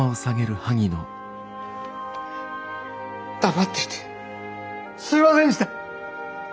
黙っていてすみませんでした！